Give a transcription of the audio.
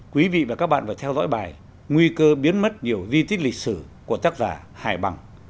quý vị và các bạn vừa theo dõi bài nguy cơ biến mất nhiều di tích lịch sử của tác giả hải bằng